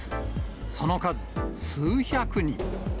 その数数百人。